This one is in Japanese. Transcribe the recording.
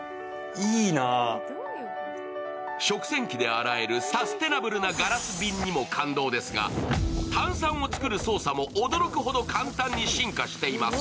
食洗機で洗えるサステナブルなガラス瓶にも感動ですが炭酸を作る操作も驚くほど簡単に操作できます。